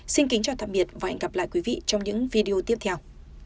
xin kính chào tạm biệt và hẹn gặp lại quý vị trong những video tiếp theo